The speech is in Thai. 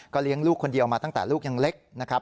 เลี้ยงลูกคนเดียวมาตั้งแต่ลูกยังเล็กนะครับ